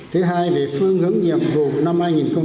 thứ hai về phương hướng nhiệm vụ năm hai nghìn một mươi chín